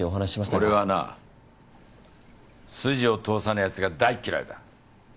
俺はな筋を通さねぇやつが大嫌いだ。